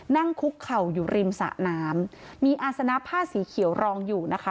นั่งคุกเข่าอยู่ริมสะน้ำมีอาสนะผ้าสีเขียวรองอยู่นะคะ